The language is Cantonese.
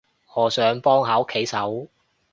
我想幫下屋企手